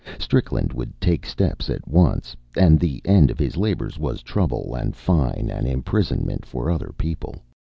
Strickland would take steps at once, and the end of his labors was trouble and fine and imprisonment for other people.